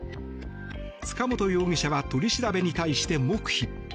塚本容疑者は取り調べに対して黙秘。